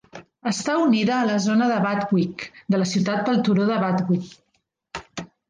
Està unida a la zona de Bathwick de la ciutat pel turó de Bathwick.